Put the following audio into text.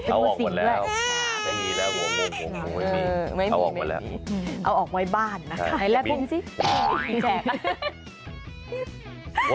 เอาออกมันแล้วหัวงูไม่มีเอาออกวันแล้วกูตูหือสิเป็นแก่กัน